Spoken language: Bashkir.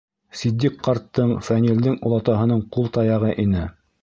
Ситдиҡ ҡарттың, Фәнилдең олатаһының ҡул таяғы ине.